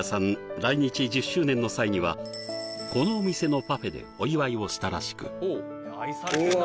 来日１０周年の際にはこのお店のパフェでお祝いをしたらしくうわ